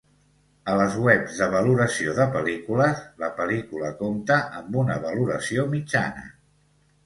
A les webs de valoració de pel·lícules, la pel·lícula compta amb una valoració mitjana.